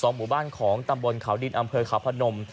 หมู่บ้านของตำบลเขาดินอำเภอขาวพนม